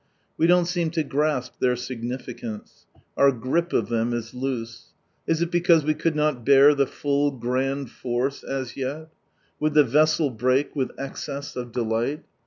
We don't seem to grasp their significance. Our grip of tliem is loose. Is it because we could not bear the full, grand, force, as yet? Would the vessel break with excess of delight?